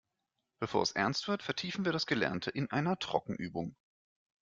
Bevor es ernst wird, vertiefen wir das Gelernte in einer Trockenübung.